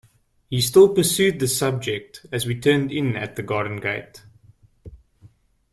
He still pursued this subject as we turned in at the garden-gate.